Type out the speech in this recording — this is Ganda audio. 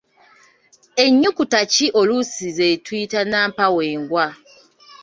Ennyukuta ki oluusi zetuyita Nnampawengwa?